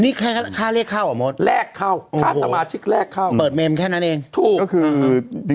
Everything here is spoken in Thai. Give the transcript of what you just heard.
นี่ค่าเรียกเข้าหรอโมทแรกเข้าค่าสมาชิกแรกเข้า